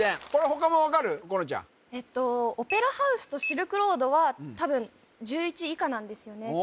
河野ちゃんえっとオペラハウスとシルクロードは多分１１位以下なんですよね